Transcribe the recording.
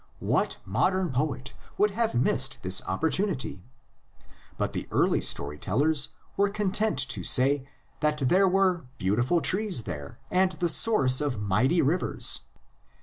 What modern poet would have missed the opportunity! But the early story tellers were content to say that there were beautiful trees there, and the source of mighty rivers.